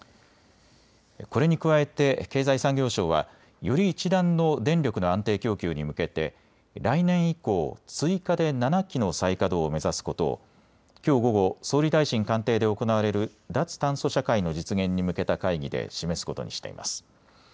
これに加えて経済産業省はより一段の電力の安定供給に向けて来年以降、追加で７基の再稼働を目指すことをきょう午後、総理大臣官邸で行われる脱炭素社会の実現に向けた会議で示すことにしています。